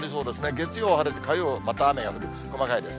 月曜は晴れて、火曜、また雨が降る、細かいです。